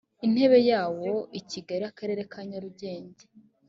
intebe yawo i kigali akarere ka nyarugenge